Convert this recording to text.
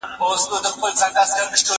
زه باید منډه ووهم!؟